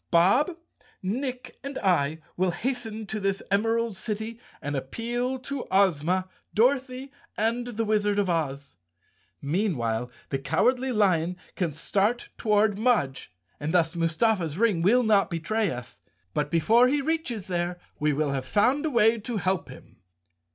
Bob, Nick and I will hasten to this Emerald City and appeal to Ozma, Dorothy and the Wizard of Oz. Meanwhile the Cowardly Lion can start toward Mudge and thus Mustafa's ring will not betray us. But before he reaches there we will have found a way to help him."